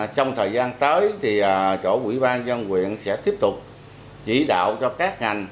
trong thời gian tới thì chỗ quỹ ban dân quyện sẽ tiếp tục chỉ đạo cho các ngành